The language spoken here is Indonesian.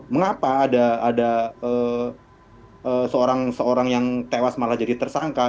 mengapa ada seorang yang tewas malah jadi tersangka